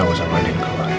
aku sama den kemarin